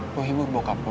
lo himbuk bokap lo